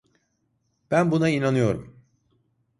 Ben buna inanıyorum.